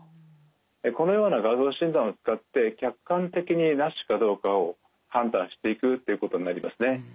このような画像診断を使って客観的にＮＡＳＨかどうかを判断していくっていうことになりますね。